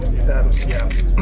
kita harus siap